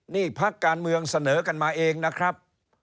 นี่พักการเมืองเสนอกันมาเองนะครับ